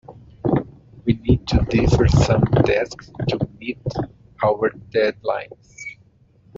We need to defer some tasks to meet our deadlines.